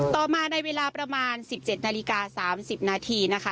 ต่อมาในเวลาประมาณ๑๗นาฬิกา๓๐นาทีนะคะ